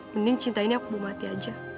mending cinta ini aku bu mati aja